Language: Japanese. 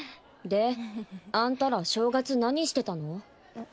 であんたら正月何してたの？